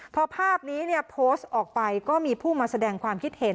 พอภาพนี้โพสต์ออกไปก็มีผู้มาแสดงความคิดเห็น